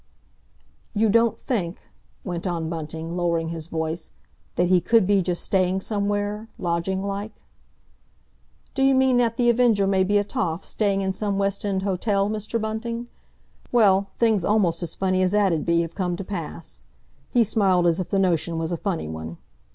"You don't think," went on Bunting, lowering his voice, "that he could be just staying somewhere, lodging like?" "D'you mean that The Avenger may be a toff, staying in some West end hotel, Mr. Bunting? Well, things almost as funny as that 'ud be have come to pass." He smiled as if the notion was a funny one.